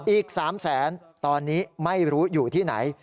อีก๓แสนตอนนี้ไม่รู้อยู่ที่ไหน